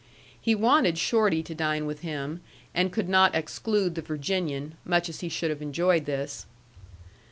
He wanted Shorty to dine with him, and could not exclude the Virginian, much as he should have enjoyed this.